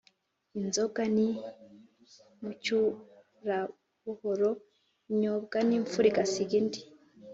inzoga ni mucyurabuhoro inyobwa n’imfura igasiba indi